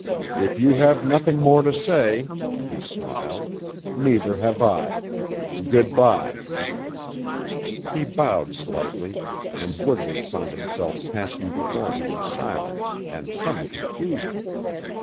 "If you have nothing more to say," he smiled, "neither have I. Good bye." He bowed slightly, and Woodward found himself passing before him in silence and some confusion.